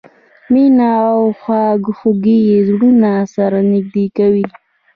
مینه او خواخوږي زړونه سره نږدې کوي.